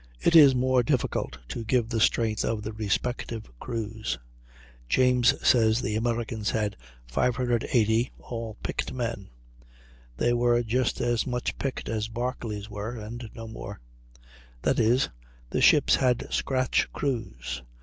It is more difficult to give the strength of the respective crews. James says the Americans had 580, all "picked men." They were just as much picked men as Barclay's were, and no more; that is, the ships had "scratch" crews.